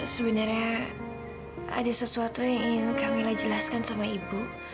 sebenarnya ada sesuatu yang ingin kamilah jelaskan sama ibu